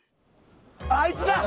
あいつだ！